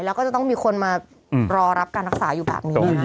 แล้วก็จะต้องมีคนมารอรับการรักษาอยู่แบบนี้